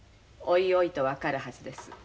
おいおいと分かるはずです。